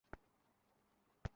আরে, জানু, কাছে এসো।